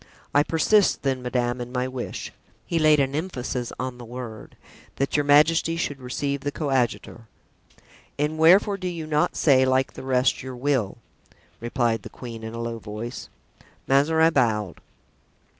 I persist, then, madame, in my wish" (he laid an emphasis on the word), "that your majesty should receive the coadjutor." "And wherefore do you not say, like the rest, your will?" replied the queen, in a low voice. Mazarin bowed.